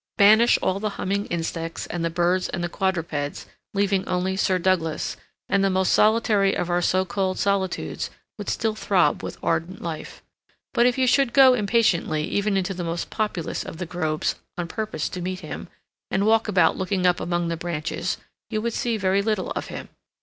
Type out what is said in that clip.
Banish all the humming insects and the birds and quadrupeds, leaving only Sir Douglas, and the most solitary of our so called solitudes would still throb with ardent life. But if you should go impatiently even into the most populous of the groves on purpose to meet him, and walk about looking up among the branches, you would see very little of him.